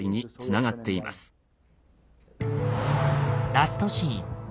ラストシーン。